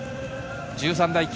１３対９。